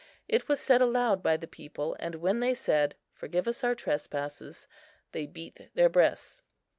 It was said aloud by the people, and when they said, "Forgive us our trespasses," they beat their breasts.